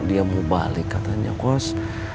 dia mau balik katanya kos